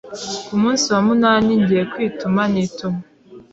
ku munsi wa munani ngiye kwituma nituma